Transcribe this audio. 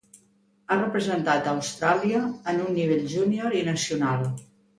Ha representat a Austràlia en un nivell júnior i nacional.